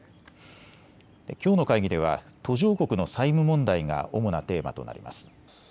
きょうの会議では途上国の債務問題が主なテーマとなります。